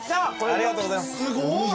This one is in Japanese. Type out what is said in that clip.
ありがとうございます。